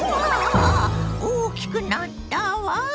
あぁ大きくなったわ！